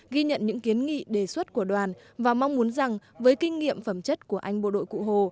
ghi nhận những kiến nghị đề xuất của đoàn và mong muốn rằng với kinh nghiệm phẩm chất của anh bộ đội cụ hồ